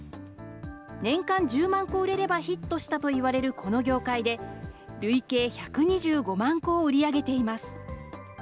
年間１０万個売れればヒットしたといわれるこの業界で、累計１２５万個を売り上げています。